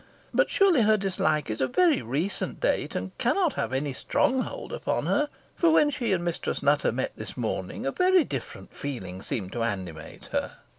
But surely her dislike is of very recent date, and cannot have any strong hold upon her; for when she and Mistress Nutter met this morning, a very different feeling seemed to animate her."